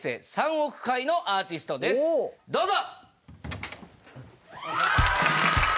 どうぞ！